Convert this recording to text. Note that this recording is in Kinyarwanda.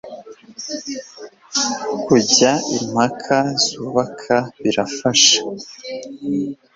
Kujya impaka zubaka birafasha